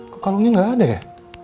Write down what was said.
kok kalungnya gak ada ya